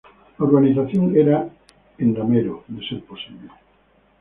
La urbanización era en damero, de ser posible.